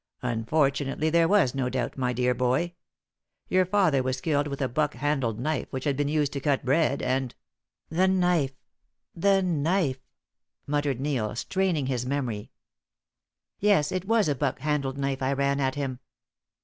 "Unfortunately, there was no doubt, my dear boy. Your father was killed with a buck handled knife which had been used to cut bread, and " "The knife the knife!" muttered Neil, straining his memory. "Yes, it was with a buck handled knife I ran at him!"